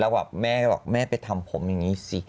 แล้วบอกแม่แม่ไปทำผมอย่างนี้สิ